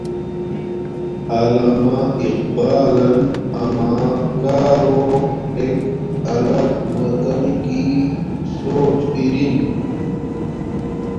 علامہ اقبالن اما کارو ایک الگ وطنک کی سوچ ارین